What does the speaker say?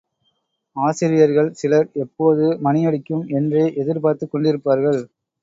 ஆசிரியர்கள் சிலர் எப்போது மணியடிக்கும் என்றே எதிர்பார்த்துக் கொண்டிருப்பார்கள்.